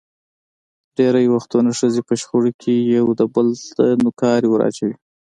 ډېری وختونه ښځې په شخړو کې یو دبل مخ ته نوکارې ور اچوي.